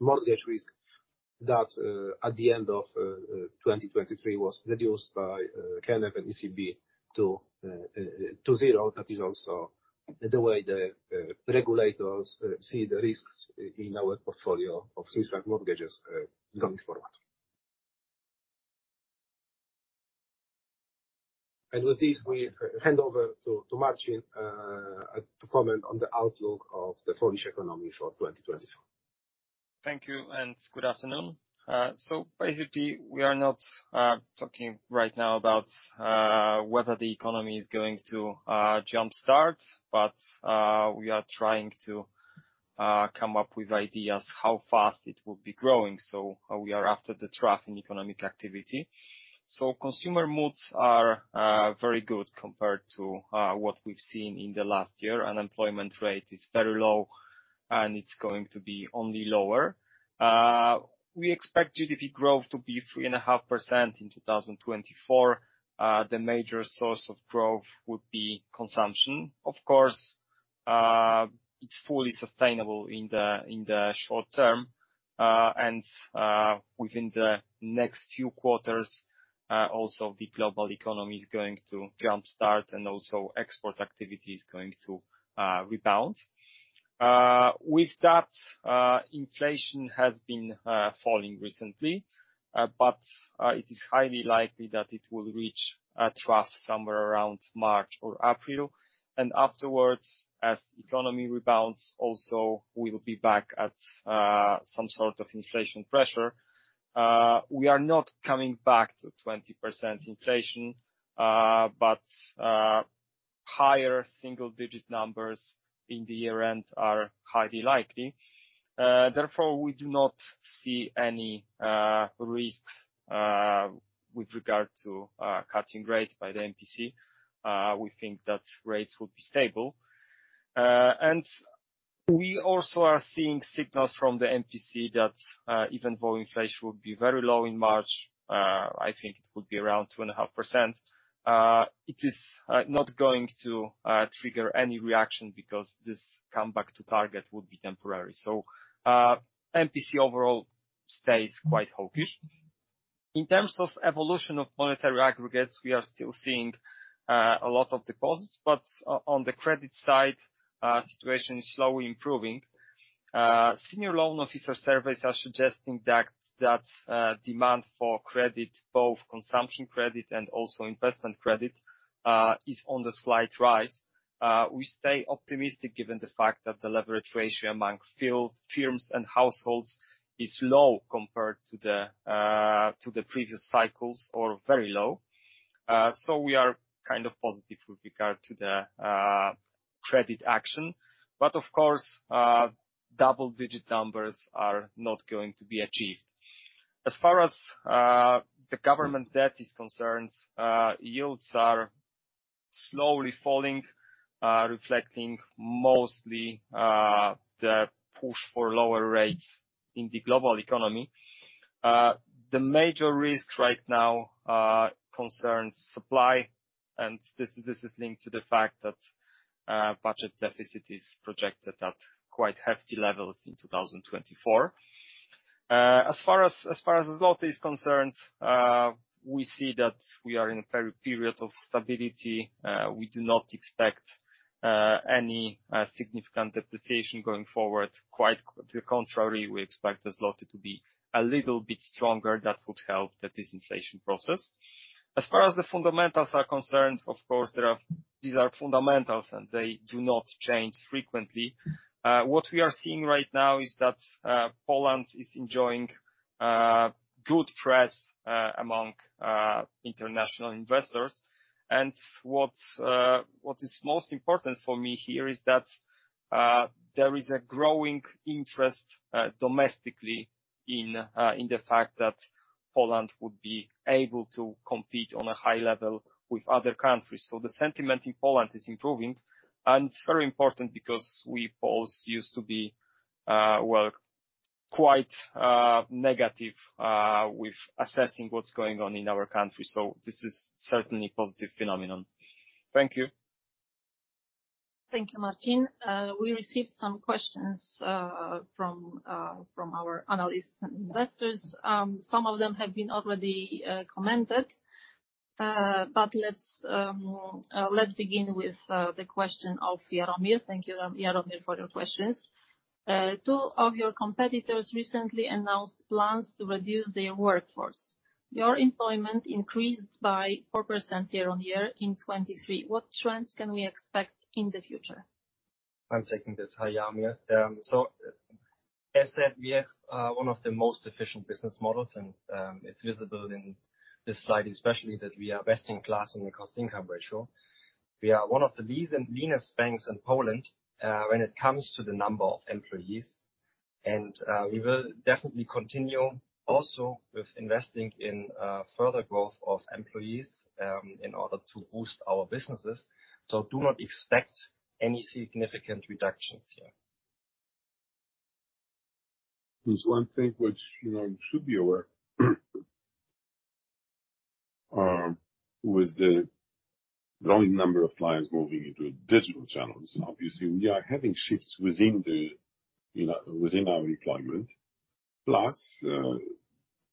mortgage risk that at the end of 2023 was reduced by KNF and ECB to zero. That is also the way the regulators see the risks in our portfolio of Swiss franc mortgages going forward. And with this, we hand over to Marcin to comment on the outlook of the Polish economy for 2024. Thank you, and good afternoon. So basically, we are not talking right now about whether the economy is going to jump-start, but we are trying to come up with ideas how fast it will be growing, so we are after the trough in economic activity. Consumer moods are very good compared to what we've seen in the last year. Unemployment rate is very low, and it's going to be only lower. We expect GDP growth to be 3.5% in 2024. The major source of growth would be consumption. Of course, it's fully sustainable in the short term, and within the next few quarters, also the global economy is going to jumpstart, and also export activity is going to rebound. With that, inflation has been falling recently, but it is highly likely that it will reach a trough somewhere around March or April. Afterwards, as economy rebounds, also, we'll be back at some sort of inflation pressure. We are not coming back to 20% inflation, but higher single-digit numbers in the year-end are highly likely. Therefore, we do not see any risks with regard to cutting rates by the MPC. We think that rates will be stable. And we also are seeing signals from the MPC that, even though inflation will be very low in March, I think it will be around 2.5%, it is not going to trigger any reaction because this comeback to target would be temporary. So, MPC overall stays quite hawkish. In terms of evolution of monetary aggregates, we are still seeing a lot of deposits, but on the credit side, situation is slowly improving. Senior loan officer surveys are suggesting that demand for credit, both consumption credit and also investment credit, is on a slight rise. We stay optimistic given the fact that the leverage ratio among firms and households is low compared to the previous cycles, or very low. So we are kind of positive with regard to the credit action. But of course, double-digit numbers are not going to be achieved. As far as the government debt is concerned, yields are slowly falling, reflecting mostly the push for lower rates in the global economy. The major risk right now concerns supply, and this is linked to the fact that budget deficit is projected at quite hefty levels in 2024. As far as zloty is concerned, we see that we are in a period of stability. We do not expect any significant depreciation going forward. Quite the contrary, we expect the zloty to be a little bit stronger. That would help the disinflation process. As far as the fundamentals are concerned, of course, there are, these are fundamentals, and they do not change frequently. What we are seeing right now is that Poland is enjoying good press among international investors. And what is most important for me here is that there is a growing interest domestically in the fact that Poland would be able to compete on a high level with other countries. So the sentiment in Poland is improving, and it's very important because we Poles used to be well quite negative with assessing what's going on in our country. So this is certainly a positive phenomenon. Thank you. Thank you, Marcin. We received some questions from our analysts and investors. Some of them have been already commented. But let's begin with the question of Jaromir. Thank you, Jaromir, for your questions. Two of your competitors recently announced plans to reduce their workforce. Your employment increased by 4% YoY in 2023. What trends can we expect in the future? I'm taking this. Hi, Jaromir. So as said, we have one of the most efficient business models, and it's visible this slide, especially that we are best in class in the cost-income ratio. We are one of the lean, leanest banks in Poland, when it comes to the number of employees, and we will definitely continue also with investing in further growth of employees, in order to boost our businesses. So do not expect any significant reductions here. There's one thing which, you know, you should be aware with the growing number of clients moving into digital channels. Obviously, we are having shifts within the, you know, within our employment. Plus,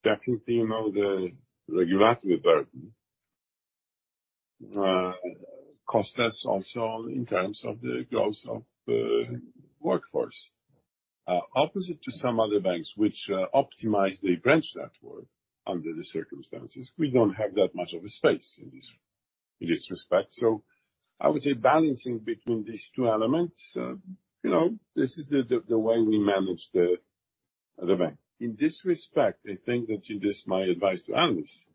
definitely, you know, the regulatory burden cost us also in terms of the growth of the workforce. Opposite to some other banks which optimize their branch network under the circumstances, we don't have that much of a space in this, in this respect. So I would say balancing between these two elements, you know, this is the way we manage the bank. In this respect, I think that you this is my advice to analysts,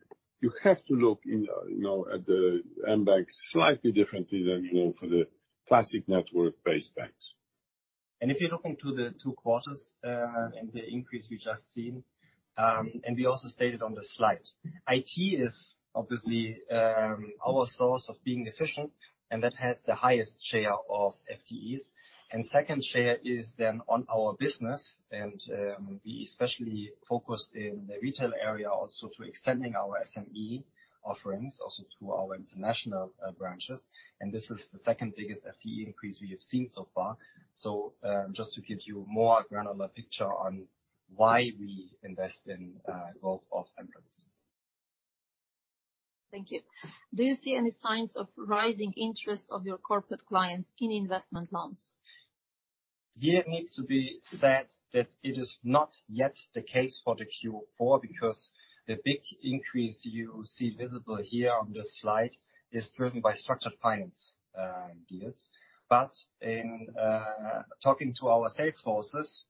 you have to look in, you know, at the mBank slightly differently than, you know, for the classic network-based banks. If you're looking to the two quarters, and the increase we just seen, and we also stated on the slide, IT is obviously our source of being efficient, and that has the highest share of FTEs. Second share is then on our business, and we especially focused in the retail area also to extending our SME offerings, also to our international branches, and this is the second biggest FTE increase we have seen so far. Just to give you more granular picture on why we invest in growth of employees. Thank you. Do you see any signs of rising interest of your corporate clients in investment loans? Here it needs to be said that it is not yet the case for the Q4, because the big increase you see visible here this slide is driven by structured finance deals. But in talking to our sales forces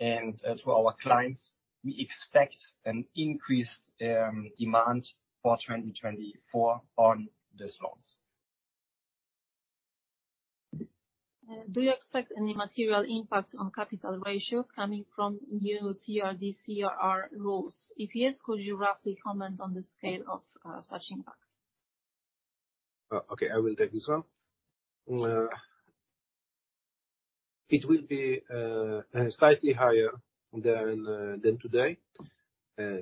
and to our clients, we expect an increased demand for 2024 on these loans. Do you expect any material impact on capital ratios coming from new CRD/CRR rules? If yes, could you roughly comment on the scale of such impact? Okay, I will take this one. It will be slightly higher than today,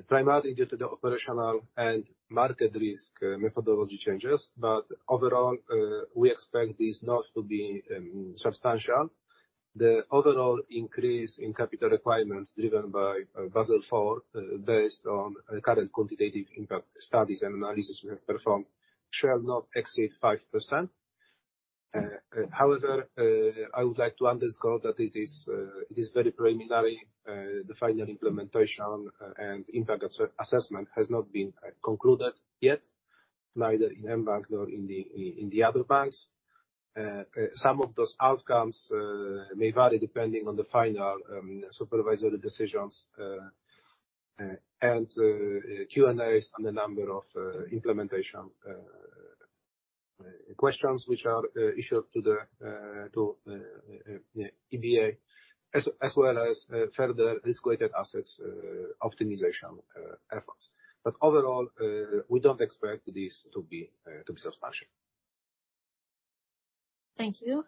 primarily due to the operational and market risk methodology changes. But overall, we expect this not to be substantial. The overall increase in capital requirements driven by Basel IV, based on current quantitative impact studies and analysis we have performed, shall not exceed 5%. However, I would like to underscore that it is very preliminary. The final implementation and impact assessment has not been concluded yet, neither in mBank nor in the other banks. Some of those outcomes may vary depending on the final supervisory decisions, and Q&As on the number of implementation questions, which are issued to the EBA, as well as further risk-weighted assets optimization efforts. But overall, we don't expect this to be substantial. Thank you.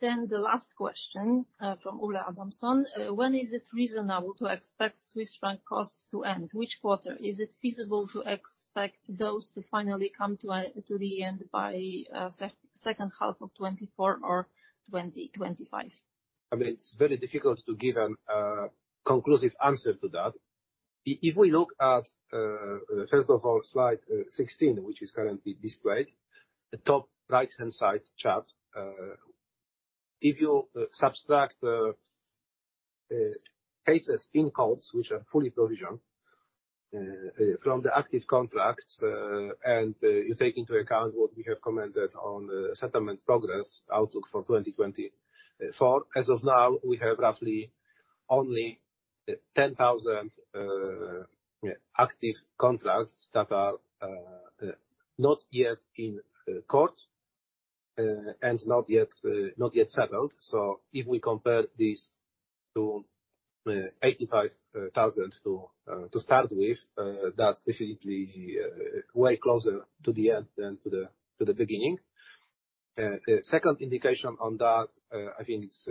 Then the last question from [Ulle Adamson]. When is it reasonable to expect Swiss franc costs to end? Which quarter is it feasible to expect those to finally come to the end by, second half of 2024 or 2025? I mean, it's very difficult to give a conclusive answer to that. If we look at first of all, Slide 16, which is currently displayed, the top right-hand side chart, if you subtract the cases in courts, which are fully provisioned, from the active contracts, and you take into account what we have commented on settlement progress outlook for 2024, as of now, we have roughly only 10,000 yeah active contracts that are not yet in court and not yet settled. So if we compare this to 85,000 to start with, that's definitely way closer to the end than to the beginning. Second indication on that, I think it's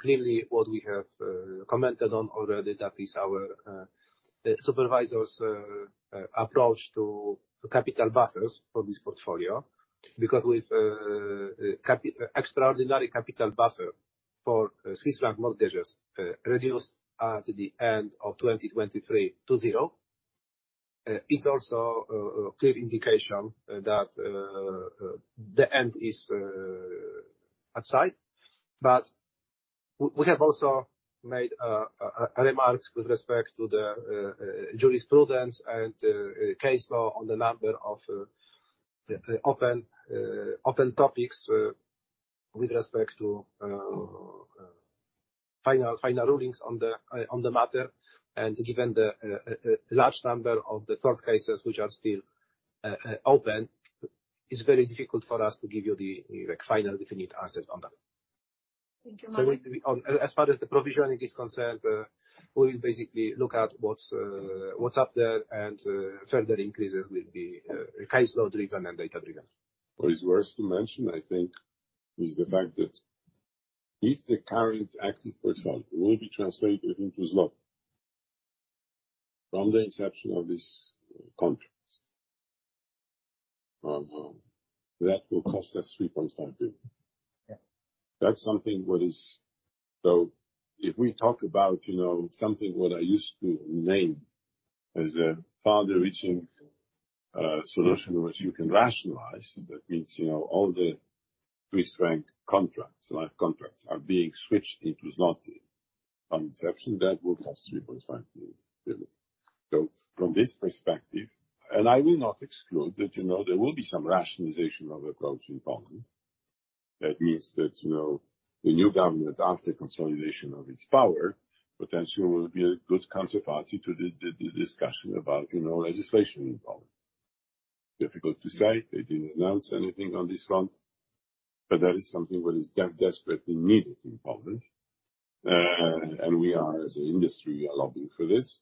clearly what we have commented on already, that is our supervisor's approach to capital buffers for this portfolio. Because with extraordinary capital buffer for Swiss franc mortgages, reduced to the end of 2023 to zero, it's also a clear indication that the end is at sight. But we have also made remarks with respect to the jurisprudence and case law on the number of open topics with respect to final rulings on the matter. And given the large number of the court cases which are still open, it's very difficult for us to give you the like final definite answer on that. Thank you very much. As far as the provisioning is concerned, we will basically look at what's up there, and further increases will be case law driven and data driven. What is worth to mention, I think, is the fact that if the current active portfolio will be translated into zloty from the inception of this contracts, that will cost us 3.5 billion. Yeah. That's something what is. So if we talk about, you know, something what I used to name as a far-reaching solution, which you can rationalize, that means, you know, all the Swiss franc contracts, live contracts, are being switched into zloty on inception, that will cost 3.5 billion. So from this perspective, and I will not exclude that, you know, there will be some rationalization of approach in Poland. That means that, you know, the new government, after consolidation of its power, potentially will be a good counterparty to the discussion about, you know, legislation in Poland. Difficult to say, they didn't announce anything on this front, but that is something what is desperately needed in Poland. And we are, as an industry, are lobbying for this.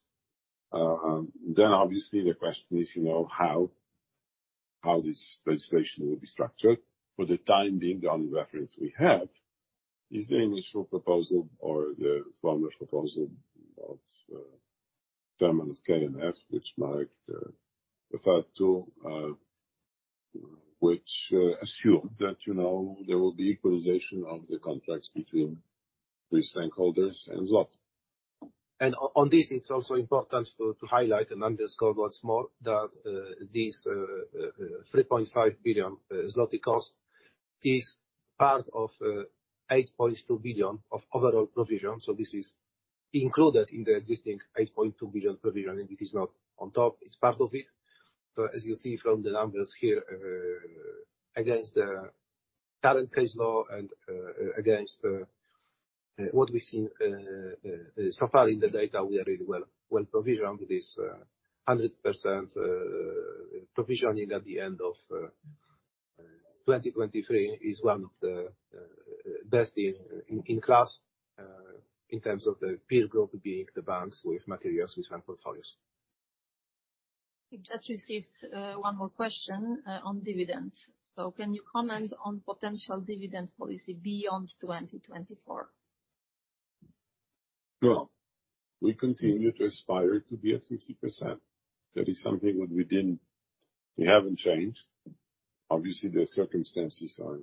Then obviously the question is, you know, how this legislation will be structured? For the time being, the only reference we have is the initial proposal or the former proposal of the team of KNF, which marked the fact that which assumes that, you know, there will be equalization of the contracts between Swiss franc holders and zloty. On this, it's also important to highlight and underscore once more, that this 3.5 billion zloty cost is part of 8.2 billion of overall provision. So this is included in the existing 8.2 billion provision, and it is not on top, it's part of it. So as you see from the numbers here, against the current case law and against what we've seen so far in the data, we are really well-provisioned with this 100% provisioning at the end of 2023, is one of the best in class in terms of the peer group, being the banks with material franc portfolios. We just received one more question on dividends. Can you comment on potential dividend policy beyond 2024? Well, we continue to aspire to be at 50%. That is something that we didn't, we haven't changed. Obviously, the circumstances are,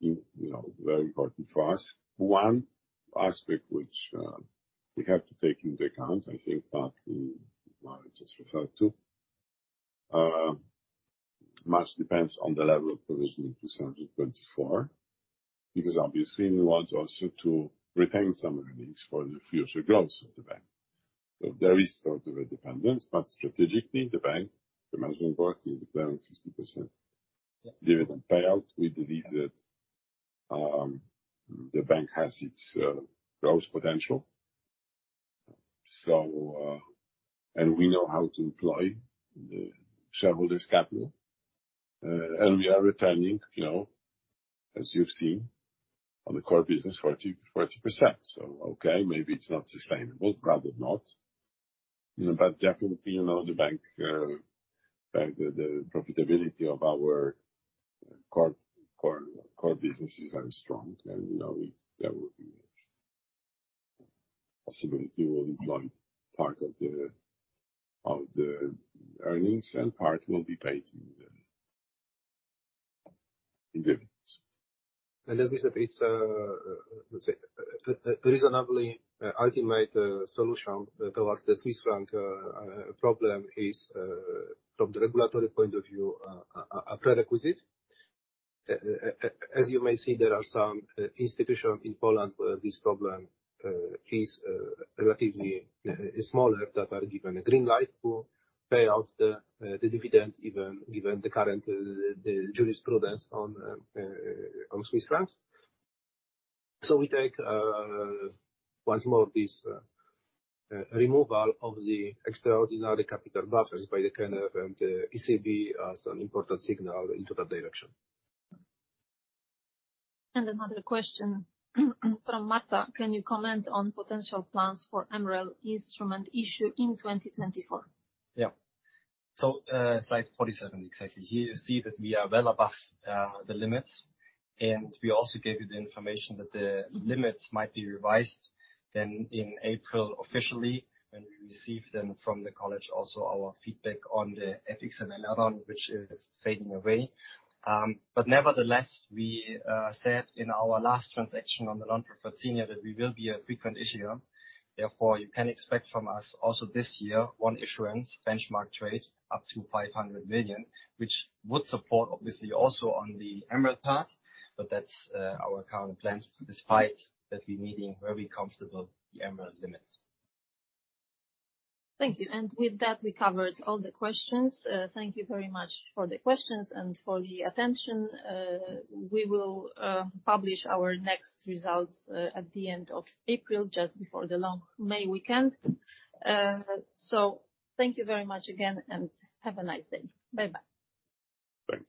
you know, very important for us. One aspect which we have to take into account, I think, part we might just refer to, much depends on the level of provisioning to 2024, because obviously we want also to retain some earnings for the future growth of the bank. So there is sort of a dependence, but strategically, the bank, the management board, is declaring 50%- Yeah. -dividend payout. We believe that, the bank has its growth potential. So... And we know how to employ the shareholders' capital, and we are returning, you know, as you've seen, on the core business, 40%. So okay, maybe it's not sustainable, rather not, you know, but definitely, you know, the bank, the profitability of our core business is very strong, and, you know, we, there will be possibility we'll employ part of the earnings and part will be paid in dividends. And as we said, it's a, let's say, a reasonably ultimate solution towards the Swiss franc problem is, from the regulatory point of view, a prerequisite. As you may see, there are some institutions in Poland where this problem is relatively smaller, that are given a green light to pay out the dividend, even, given the current jurisprudence on Swiss francs. So we take, once more, this removal of the extraordinary capital buffers by the KNF and ECB as an important signal into that direction. Another question from Marta: Can you comment on potential plans for MREL instrument issue in 2024? Yeah. So, Slide 47, exactly. Here you see that we are well above the limits, and we also gave you the information that the limits might be revised, then in April, officially, when we receive them from the college, also our feedback on the FXM add-on, which is fading away. But nevertheless, we said in our last transaction on the non-preferred senior that we will be a frequent issuer. Therefore, you can expect from us also this year, one issuance benchmark trade up to 500 million, which would support, obviously, also on the MREL part, but that's our current plan, despite that we're meeting very comfortable the MREL limits. Thank you. And with that, we covered all the questions. Thank you very much for the questions and for the attention. We will publish our next results at the end of April, just before the long May weekend. So thank you very much again, and have a nice day. Bye-bye. Thanks.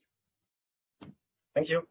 Thank you.